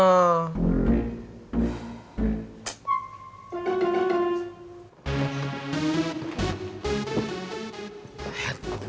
lu sekarang aja harus gimana